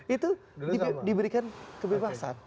itu diberikan kebebasan